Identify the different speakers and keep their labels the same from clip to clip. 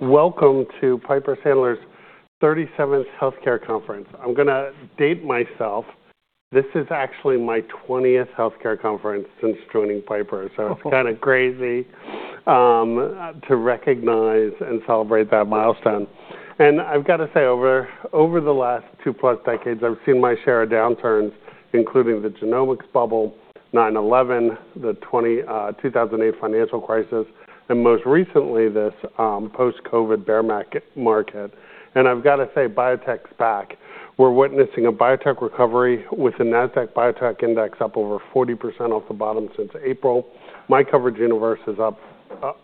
Speaker 1: Welcome to Piper Sandler's 37th Healthcare Conference. I'm going to date myself. This is actually my 20th Healthcare Conference since joining Piper, so it's kind of crazy to recognize and celebrate that milestone. I've got to say, over the last two-plus decades, I've seen my share of downturns, including the genomics bubble, 9/11, the 2008 financial crisis, and most recently this post-COVID bear market. I've got to say, biotech's back. We're witnessing a biotech recovery with the Nasdaq Biotech Index up over 40% off the bottom since April. My coverage universe is up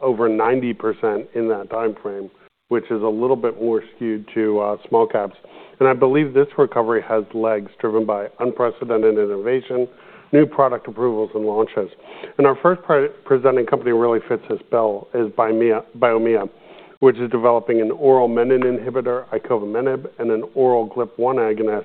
Speaker 1: over 90% in that time frame, which is a little bit more skewed to small caps. I believe this recovery has legs driven by unprecedented innovation, new product approvals, and launches. Our first presenting company really fits this bill is Biomea Fusion, which is developing an oral menin inhibitor, icovamenib, and an oral GLP-1 agonist,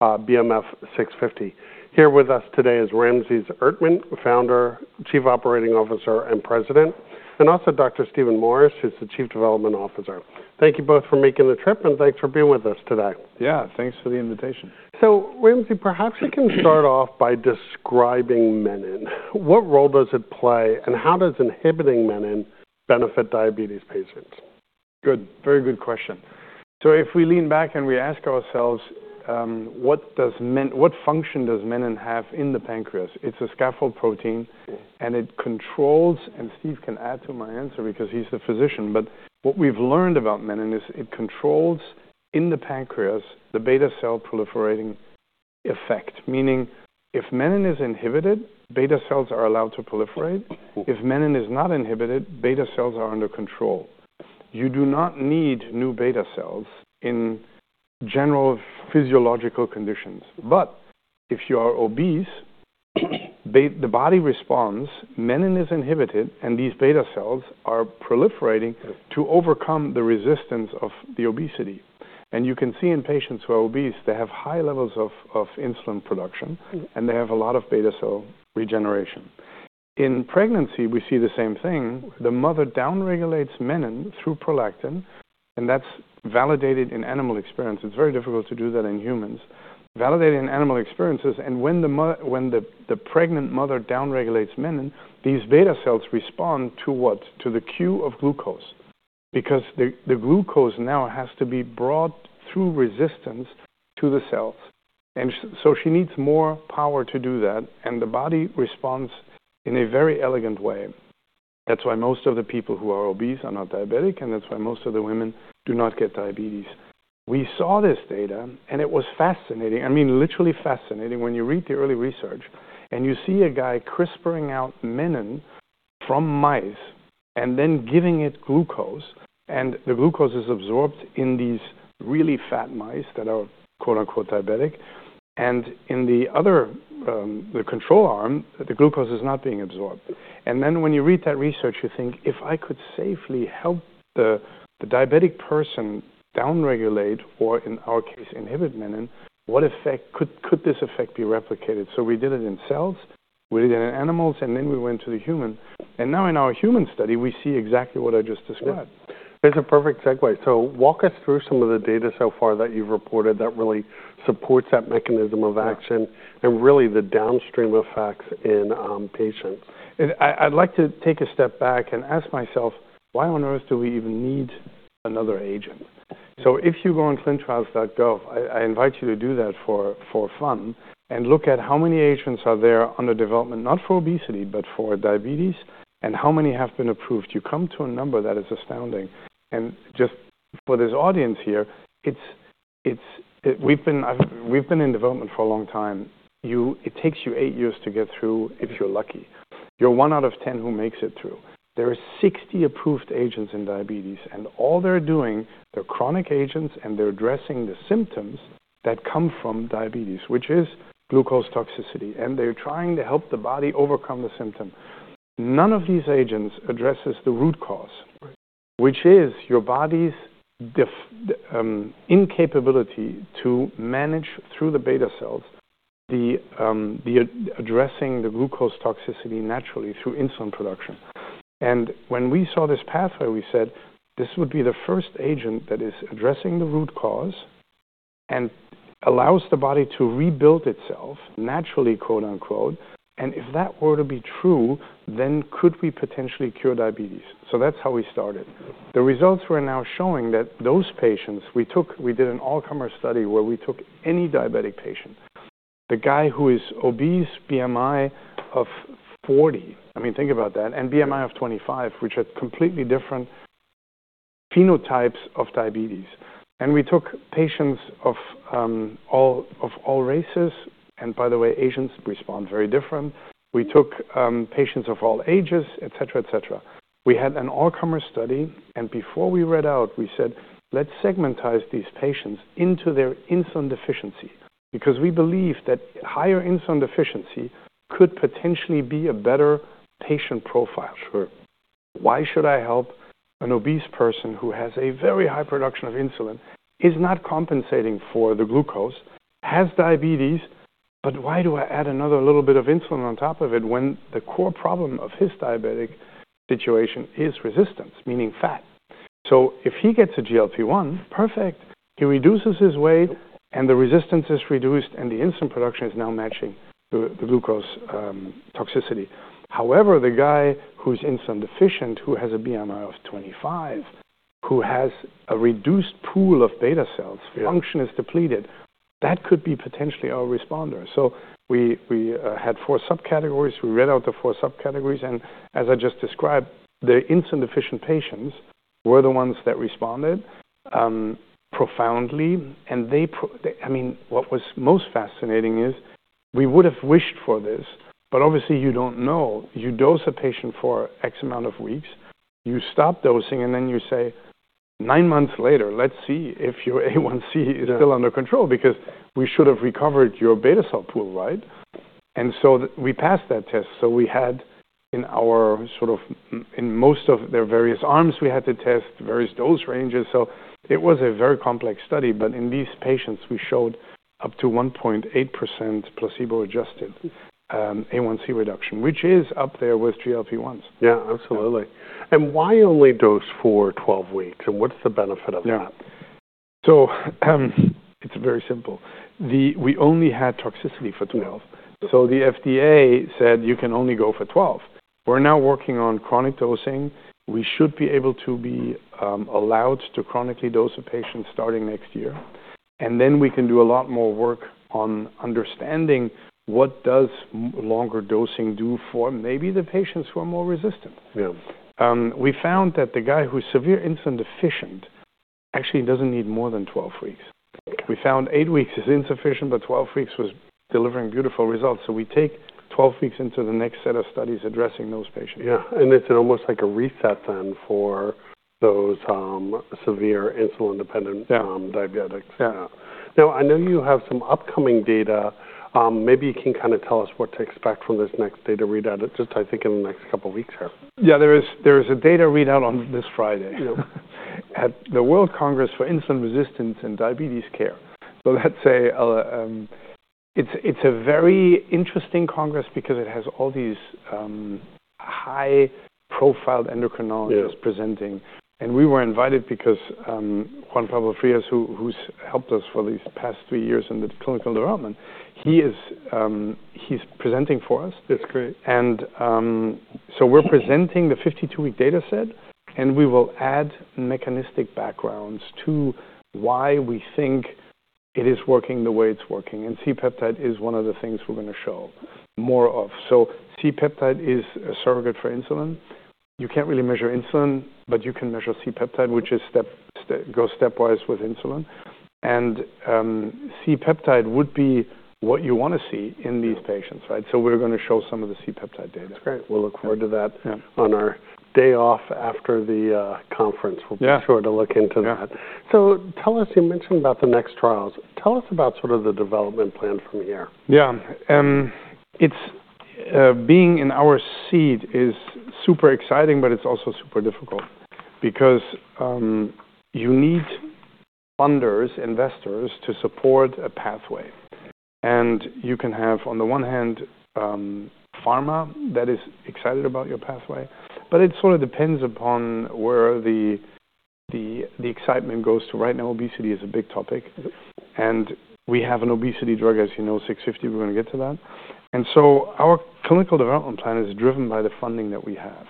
Speaker 1: BMF-650. Here with us today is Ramses Erdtmann, Founder, Chief Operating Officer, and President, and also Dr. Steven Morris, who's the Chief Development Officer. Thank you both for making the trip, and thanks for being with us today.
Speaker 2: Yeah, thanks for the invitation.
Speaker 1: Ramses, perhaps you can start off by describing menin. What role does it play, and how does inhibiting menin benefit diabetes patients?
Speaker 2: Good. Very good question. If we lean back and we ask ourselves, what function does menin have in the pancreas? It's a scaffold protein, and it controls—and Steve can add to my answer because he's the physician—but what we've learned about menin is it controls, in the pancreas, the beta cell proliferating effect. Meaning, if menin is inhibited, beta cells are allowed to proliferate. If menin is not inhibited, beta cells are under control. You do not need new beta cells in general physiological conditions. If you are obese, the body responds. Menin is inhibited, and these beta cells are proliferating to overcome the resistance of the obesity. You can see in patients who are obese, they have high levels of insulin production, and they have a lot of beta cell regeneration. In pregnancy, we see the same thing. The mother downregulates menin through prolactin, and that's validated in animal experience. It's very difficult to do that in humans. Validated in animal experiences. When the pregnant mother downregulates menin, these beta cells respond to what? To the queue of glucose. Because the glucose now has to be brought through resistance to the cells. She needs more power to do that, and the body responds in a very elegant way. That's why most of the people who are obese are not diabetic, and that's why most of the women do not get diabetes. We saw this data, and it was fascinating. I mean, literally fascinating when you read the early research, and you see a guy CRISPRing out menin from mice and then giving it glucose. The glucose is absorbed in these really fat mice that are "diabetic." In the controlled arm, the glucose is not being absorbed. When you read that research, you think, "If I could safely help the diabetic person downregulate, or in our case, inhibit menin, could this effect be replicated?" We did it in cells, we did it in animals, and then we went to the human. Now in our human study, we see exactly what I just described.
Speaker 1: It's a perfect segue. Walk us through some of the data so far that you've reported that really supports that mechanism of action and really the downstream effects in patients.
Speaker 2: I'd like to take a step back and ask myself, why on earth do we even need another agent? If you go on clinicaltrials.gov, I invite you to do that for fun and look at how many agents are there under development, not for obesity, but for diabetes, and how many have been approved. You come to a number that is astounding. Just for this audience here, we've been in development for a long time. It takes you eight years to get through if you're lucky. You're one out of ten who makes it through. There are 60 approved agents in diabetes, and all they're doing, they're chronic agents, and they're addressing the symptoms that come from diabetes, which is glucose toxicity. They're trying to help the body overcome the symptom. None of these agents addresses the root cause, which is your body's incapability to manage through the beta cells, addressing the glucose toxicity naturally through insulin production. When we saw this pathway, we said, "This would be the first agent that is addressing the root cause and allows the body to rebuild itself naturally." If that were to be true, then could we potentially cure diabetes? That is how we started. The results were now showing that those patients—we did an all-comers study where we took any diabetic patient, the guy who is obese, BMI of 40—I mean, think about that—and BMI of 25, which are completely different phenotypes of diabetes. We took patients of all races, and by the way, Asians respond very differently. We took patients of all ages, etc., etc. We had an all-comers study, and before we read out, we said, "Let's segmentize these patients into their insulin deficiency," because we believe that higher insulin deficiency could potentially be a better patient profile.
Speaker 1: Sure.
Speaker 2: Why should I help an obese person who has a very high production of insulin, is not compensating for the glucose, has diabetes, but why do I add another little bit of insulin on top of it when the core problem of his diabetic situation is resistance, meaning fat? If he gets a GLP-1, perfect. He reduces his weight, and the resistance is reduced, and the insulin production is now matching the glucose toxicity. However, the guy who's insulin deficient, who has a BMI of 25, who has a reduced pool of beta cells, function is depleted, that could be potentially our responder. We had four subcategories. We read out the four subcategories, and as I just described, the insulin deficient patients were the ones that responded profoundly. I mean, what was most fascinating is we would have wished for this, but obviously you don't know. You dose a patient for X amount of weeks, you stop dosing, and then you say, "Nine months later, let's see if your A1C is still under control because we should have recovered your beta cell pool, right?" We passed that test. In our sort of—in most of their various arms, we had to test various dose ranges. It was a very complex study, but in these patients, we showed up to 1.8% placebo-adjusted A1C reduction, which is up there with GLP-1s.
Speaker 1: Yeah, absolutely. Why only dose for 12 weeks, and what's the benefit of that?
Speaker 2: Yeah. It is very simple. We only had toxicity for 12. The FDA said, "You can only go for 12." We are now working on chronic dosing. We should be able to be allowed to chronically dose a patient starting next year. We can do a lot more work on understanding what longer dosing does for maybe the patients who are more resistant. We found that the guy who is severe insulin deficient actually does not need more than 12 weeks. We found 8 weeks is insufficient, but 12 weeks was delivering beautiful results. We take 12 weeks into the next set of studies addressing those patients.
Speaker 1: Yeah. It's almost like a reset then for those severe insulin-dependent diabetics.
Speaker 2: Yeah.
Speaker 1: Now, I know you have some upcoming data. Maybe you can kind of tell us what to expect from this next data readout, just I think in the next couple of weeks here.
Speaker 2: Yeah, there is a data readout on this Friday at the World Congress for Insulin Resistance and Diabetes Care. It's a very interesting congress because it has all these high-profile endocrinologists presenting. We were invited because Juan Pablo Frias, who's helped us for these past three years in the clinical development, he's presenting for us.
Speaker 1: That's great.
Speaker 2: We're presenting the 52-week data set, and we will add mechanistic backgrounds to why we think it is working the way it's working. C-peptide is one of the things we're going to show more of. C-peptide is a surrogate for insulin. You can't really measure insulin, but you can measure C-peptide, which goes stepwise with insulin. C-peptide would be what you want to see in these patients, right? We're going to show some of the C-peptide data.
Speaker 1: That's great. We will look forward to that on our day off after the conference. We will be sure to look into that. Tell us, you mentioned about the next trials. Tell us about sort of the development plan from here.
Speaker 2: Yeah. Being in our seat is super exciting, but it's also super difficult because you need funders, investors to support a pathway. You can have, on the one hand, pharma that is excited about your pathway, but it sort of depends upon where the excitement goes to. Right now, obesity is a big topic, and we have an obesity drug, as you know, 650. We're going to get to that. Our clinical development plan is driven by the funding that we have.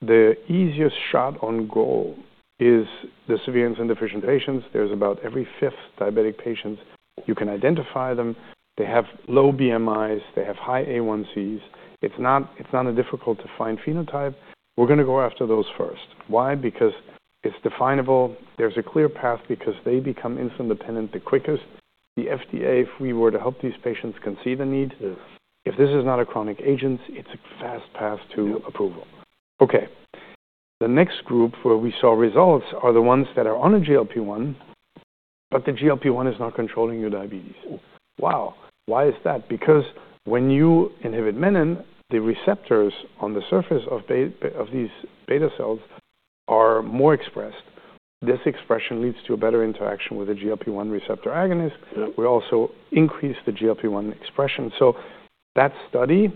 Speaker 2: The easiest shot on goal is the severe insulin deficient patients. There's about every fifth diabetic patient. You can identify them. They have low BMIs. They have high A1Cs. It's not a difficult-to-find phenotype. We're going to go after those first. Why? Because it's definable. There's a clear path because they become insulin-dependent the quickest. The FDA, if we were to help these patients, can see the need. If this is not a chronic agent, it's a fast path to approval. Okay. The next group where we saw results are the ones that are on a GLP-1, but the GLP-1 is not controlling your diabetes. Wow. Why is that? Because when you inhibit menin, the receptors on the surface of these beta cells are more expressed. This expression leads to a better interaction with the GLP-1 receptor agonist. We also increase the GLP-1 expression. That study,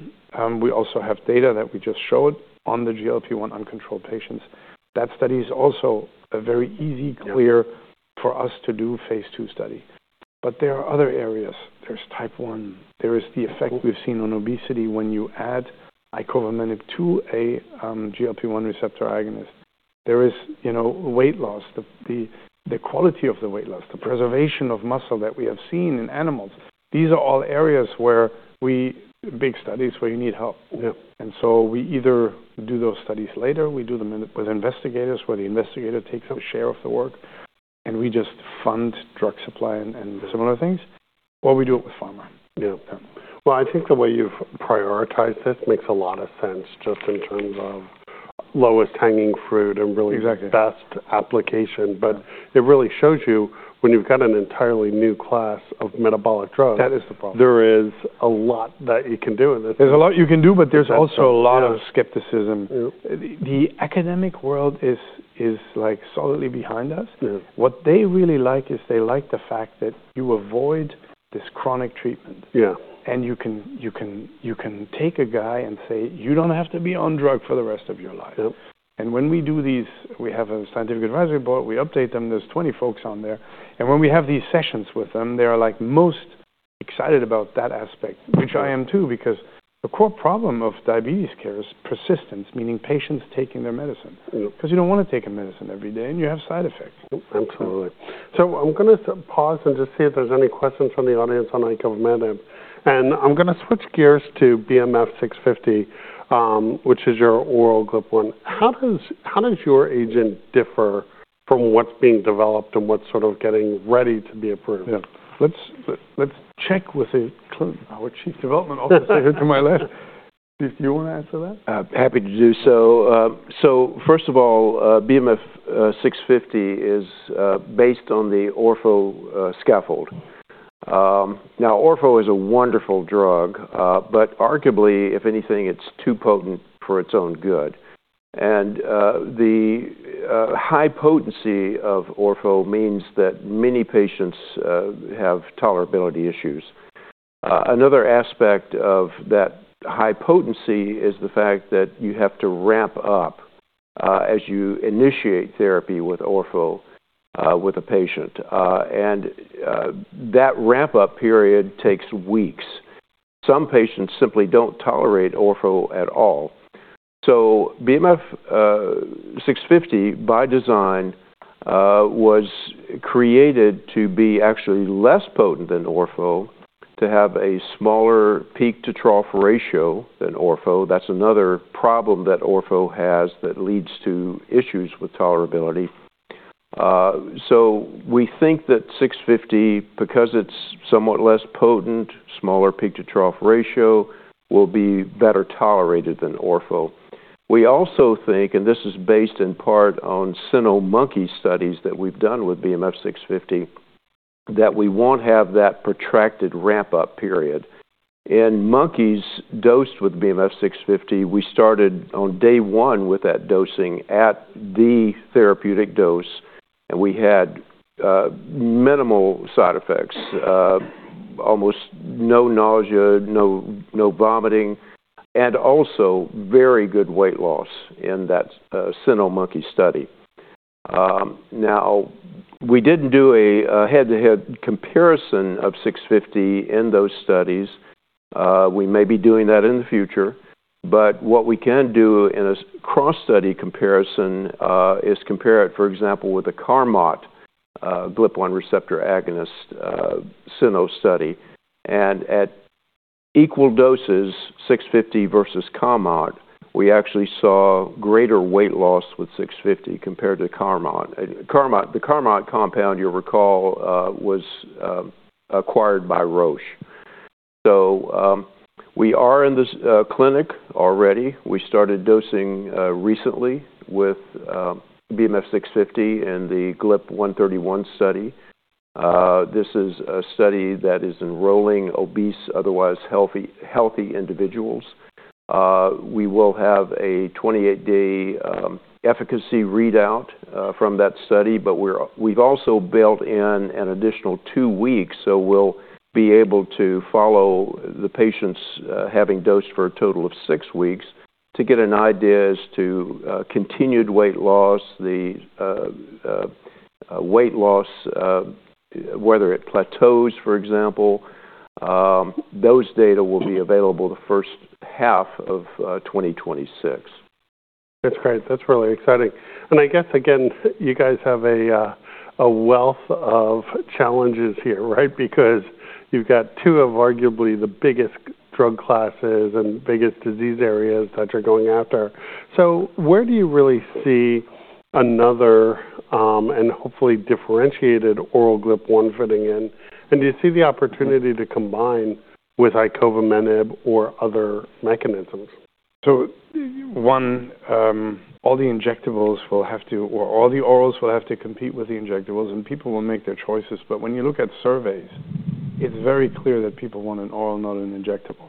Speaker 2: we also have data that we just showed on the GLP-1 uncontrolled patients. That study is also a very easy, clear for us to do phase II study. There are other areas. There's type 1. There is the effect we've seen on obesity when you add icovamenib to a GLP-1 receptor agonist. There is weight loss, the quality of the weight loss, the preservation of muscle that we have seen in animals. These are all areas where we—big studies where you need help. We either do those studies later. We do them with investigators where the investigator takes a share of the work, and we just fund drug supply and similar things, or we do it with pharma.
Speaker 1: Yeah. I think the way you've prioritized this makes a lot of sense just in terms of lowest hanging fruit and really best application. It really shows you when you've got an entirely new class of metabolic drugs.
Speaker 2: That is the problem.
Speaker 1: There is a lot that you can do in this.
Speaker 2: There's a lot you can do, but there's also a lot of skepticism. The academic world is solidly behind us. What they really like is they like the fact that you avoid this chronic treatment. You can take a guy and say, "You don't have to be on drug for the rest of your life." When we do these, we have a scientific advisory board. We update them. There are 20 folks on there. When we have these sessions with them, they are most excited about that aspect, which I am too, because the core problem of diabetes care is persistence, meaning patients taking their medicine. You don't want to take a medicine every day, and you have side effects.
Speaker 1: Absolutely. I'm going to pause and just see if there's any questions from the audience on icovamenib. I'm going to switch gears to BMF-650, which is your oral GLP-1. How does your agent differ from what's being developed and what's sort of getting ready to be approved?
Speaker 2: Yeah. Let's check with our Chief Development Officer here to my left. Chief, do you want to answer that?
Speaker 3: Happy to do so. First of all, BMF-650 is based on the orfo scaffold. Now, orfo is a wonderful drug, but arguably, if anything, it's too potent for its own good. The high potency of orfo means that many patients have tolerability issues. Another aspect of that high potency is the fact that you have to ramp up as you initiate therapy with orfo with a patient. That ramp-up period takes weeks. Some patients simply don't tolerate orfo at all. BMF-650, by design, was created to be actually less potent than orfo, to have a smaller peak-to-trough ratio than orfo. That's another problem that orfo has that leads to issues with tolerability. We think that 650, because it's somewhat less potent, smaller peak-to-trough ratio, will be better tolerated than orfo. We also think, and this is based in part on cynomolgus monkey studies that we've done with BMF-650, that we won't have that protracted ramp-up period. In monkeys dosed with BMF-650, we started on day one with that dosing at the therapeutic dose, and we had minimal side effects, almost no nausea, no vomiting, and also very good weight loss in that cyno monkey study. Now, we didn't do a head-to-head comparison of 650 in those studies. We may be doing that in the future, but what we can do in a cross-study comparison is compare it, for example, with the Carmot GLP-1 receptor agonist cyno study. At equal doses, 650 versus Carmot, we actually saw greater weight loss with 650 compared to Carmot. The Carmot compound, you'll recall, was acquired by Roche. We are in the clinic already. We started dosing recently with BMF-650 in the GLP-131 study. This is a study that is enrolling obese, otherwise healthy individuals. We will have a 28-day efficacy readout from that study, but we've also built in an additional two weeks, so we'll be able to follow the patients having dosed for a total of six weeks to get an idea as to continued weight loss, the weight loss, whether it plateaus, for example. Those data will be available the first half of 2026.
Speaker 1: That's great. That's really exciting. I guess, again, you guys have a wealth of challenges here, right? Because you've got two of arguably the biggest drug classes and biggest disease areas that you're going after. Where do you really see another and hopefully differentiated oral GLP-1 fitting in? Do you see the opportunity to combine with icovamenib or other mechanisms?
Speaker 2: All the injectables will have to, or all the orals will have to compete with the injectables, and people will make their choices. When you look at surveys, it's very clear that people want an oral, not an injectable.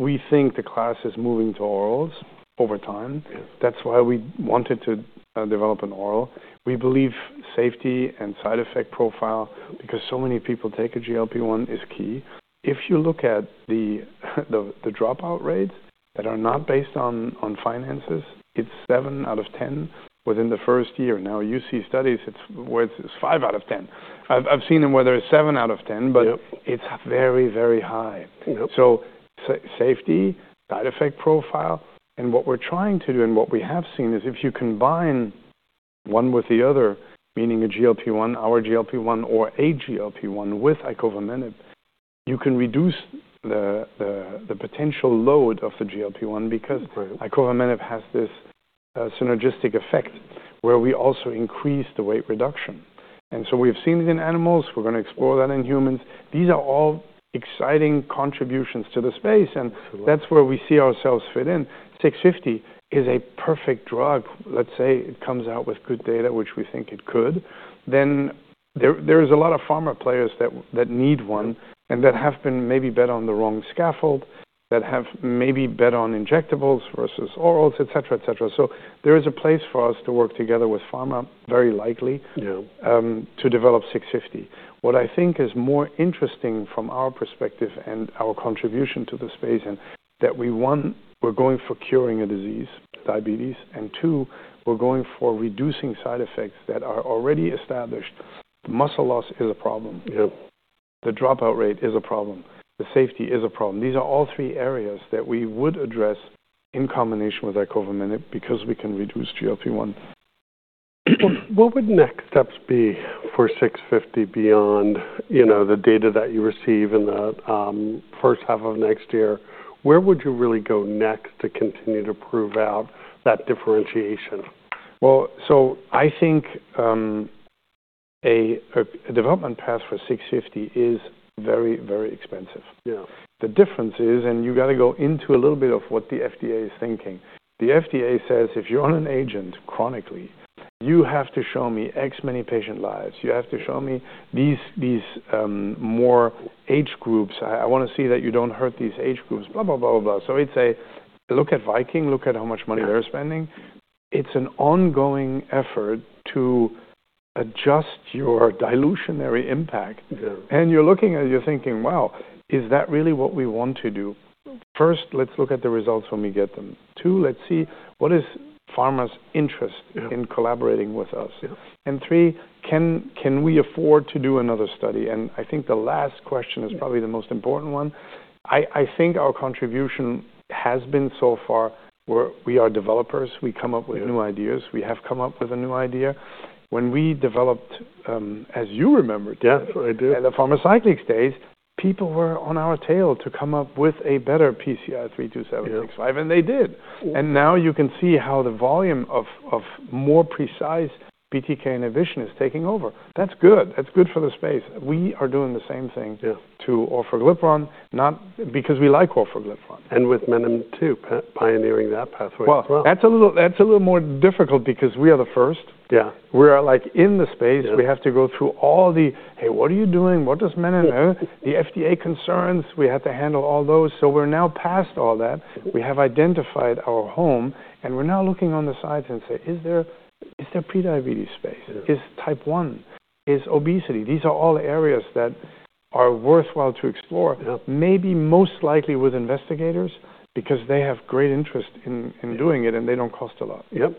Speaker 2: We think the class is moving to orals over time. That's why we wanted to develop an oral. We believe safety and side effect profile, because so many people take a GLP-1, is key. If you look at the dropout rates that are not based on finances, it's seven out of 10 within the first year. Now, you see studies where it's five out of 10. I've seen them where there's seven out of 10, but it's very, very high. Safety, side effect profile, and what we're trying to do and what we have seen is if you combine one with the other, meaning a GLP-1, our GLP-1, or a GLP-1 with icovamenib, you can reduce the potential load of the GLP-1 because icovamenib has this synergistic effect where we also increase the weight reduction. We have seen it in animals. We are going to explore that in humans. These are all exciting contributions to the space, and that is where we see ourselves fit in. 650 is a perfect drug. Let's say it comes out with good data, which we think it could. There are a lot of pharma players that need one and that have maybe bet on the wrong scaffold, that have maybe bet on injectables versus orals, etc., etc. There is a place for us to work together with pharma, very likely, to develop 650. What I think is more interesting from our perspective and our contribution to the space is that, one, we're going for curing a disease, diabetes, and two, we're going for reducing side effects that are already established. Muscle loss is a problem. The dropout rate is a problem. The safety is a problem. These are all three areas that we would address in combination with icovamenib because we can reduce GLP-1.
Speaker 1: What would next steps be for 650 beyond the data that you receive in the first half of next year? Where would you really go next to continue to prove out that differentiation?
Speaker 2: I think a development path for 650 is very, very expensive. The difference is, and you've got to go into a little bit of what the FDA is thinking. The FDA says, "If you're on an agent chronically, you have to show me X many patient lives. You have to show me these more age groups. I want to see that you don't hurt these age groups, blah, blah, blah, blah, blah." It is a, "Look at Viking. Look at how much money they're spending." It is an ongoing effort to adjust your dilutionary impact. You're looking at it, you're thinking, "Wow, is that really what we want to do?" First, let's look at the results when we get them. Two, let's see what is pharma's interest in collaborating with us. Three, can we afford to do another study? I think the last question is probably the most important one. I think our contribution has been so far where we are developers. We come up with new ideas. We have come up with a new idea. When we developed, as you remember, the Pharmacyclics days, people were on our tail to come up with a better PCI-32765, and they did. Now you can see how the volume of more precise BTK inhibition is taking over. That is good. That is good for the space. We are doing the same thing to orforglipron, not because we like orforglipron.
Speaker 1: With menin too, pioneering that pathway as well.
Speaker 2: That's a little more difficult because we are the first. We are in the space. We have to go through all the, "Hey, what are you doing? What does menin do?" The FDA concerns, we had to handle all those. We are now past all that. We have identified our home, and we are now looking on the sides and say, "Is there prediabetes space? Is type 1? Is obesity?" These are all areas that are worthwhile to explore, maybe most likely with investigators because they have great interest in doing it, and they do not cost a lot.
Speaker 1: Yep.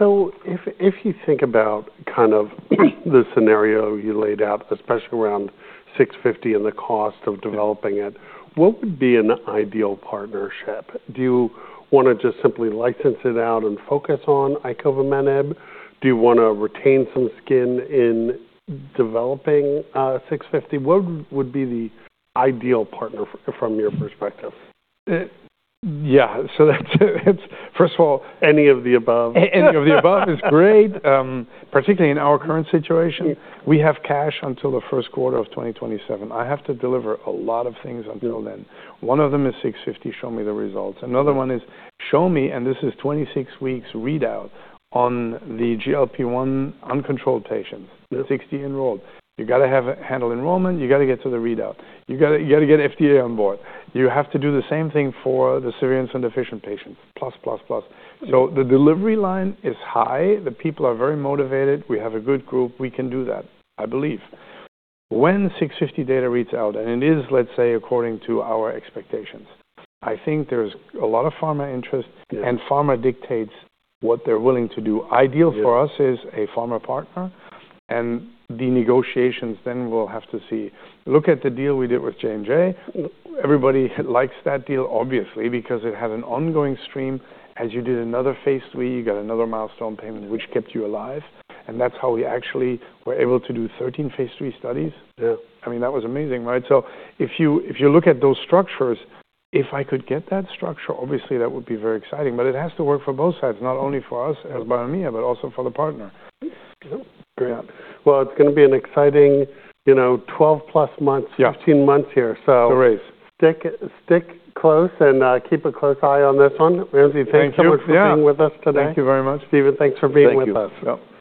Speaker 1: If you think about kind of the scenario you laid out, especially around 650 and the cost of developing it, what would be an ideal partnership? Do you want to just simply license it out and focus on icovamenib? Do you want to retain some skin in developing 650? What would be the ideal partner from your perspective?
Speaker 2: Yeah. First of all, any of the above. Any of the above is great, particularly in our current situation. We have cash until the first quarter of 2027. I have to deliver a lot of things until then. One of them is 650, show me the results. Another one is show me, and this is 26 weeks readout on the GLP-1 uncontrolled patients, 60 enrolled. You have to handle enrollment. You have to get to the readout. You have to get FDA on board. You have to do the same thing for the severe insufficient patients, plus, plus, plus. The delivery line is high. The people are very motivated. We have a good group. We can do that, I believe. When 650 data reads out, and it is, let's say, according to our expectations, I think there's a lot of pharma interest, and pharma dictates what they're willing to do. Ideal for us is a pharma partner. The negotiations then will have to see. Look at the deal we did with J&J. Everybody likes that deal, obviously, because it had an ongoing stream. As you did another phase III, you got another milestone payment, which kept you alive. That's how we actually were able to do 13 phase III studies. I mean, that was amazing, right? If you look at those structures, if I could get that structure, obviously, that would be very exciting. It has to work for both sides, not only for us as Biomea, but also for the partner.
Speaker 1: Brilliant. It is going to be an exciting 12-plus months, 15 months here. Stick close and keep a close eye on this one. Ramses, thank you so much for being with us today.
Speaker 2: Thank you very much.
Speaker 1: Steven, thanks for being with us.
Speaker 3: Thank you.